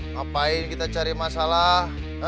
ngapain kita cari masalah